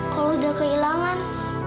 kalo udah kehilangan